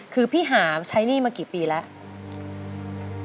คือพี่หาใช้หนี้มากี่ปีแล้ว